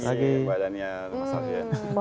selamat pagi pak daniel